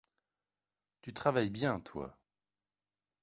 Tu travailles bien, toi !